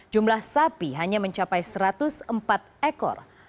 jumlah sapi hanya mencapai satu ratus empat ekor